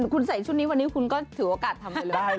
คุณใส่ชุดนี้วันนี้คุณก็ถือโอกาสทำไปเลย